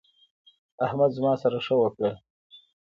احمد زما سره ښه وکړل.